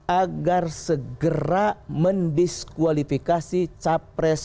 agar segera mendiskualifikasi capres